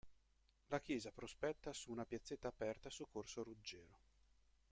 La chiesa prospetta su una piazzetta aperta su corso Ruggero.